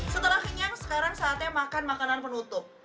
setelah kenyang sekarang saatnya makan makanan penutup